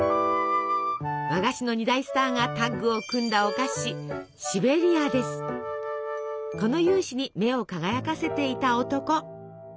和菓子の二大スターがタッグを組んだお菓子この雄姿に目を輝かせていた男。